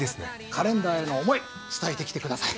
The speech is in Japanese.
カレンダーへの思い伝えてきて下さい。